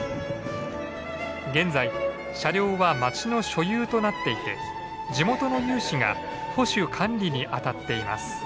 現在車両は町の所有となっていて地元の有志が保守管理にあたっています。